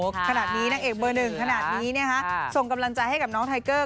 ขนาดนี้นางเอกเบอร์หนึ่งขนาดนี้นะคะส่งกำลังใจให้กับน้องไทเกอร์